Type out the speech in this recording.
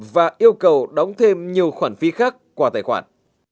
và yêu cầu đóng thêm nhiều khoản phí khác qua tài khoản